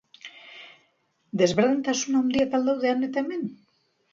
Desberdintasun handiak al daude han eta hemen?